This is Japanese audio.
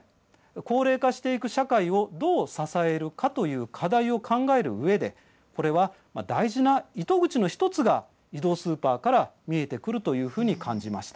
高齢化していく社会をどう支えるかという課題を考えるうえでこれは大事な糸口の１つが移動スーパーから見えてくるというふうに感じました。